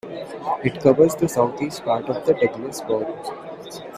It covers the south-east part of the Dudley borough.